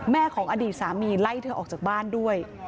ของอดีตสามีไล่เธอออกจากบ้านด้วย